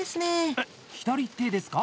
え、左手ですか？